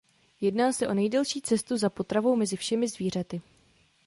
Jedná se o nejdelší cestu za potravou mezi všemi zvířaty.